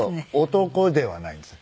男ではないんですね。